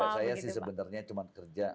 ya juga saya sih sebenarnya cuma kerja